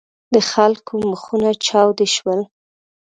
د خلکو مخونه چاودې شول.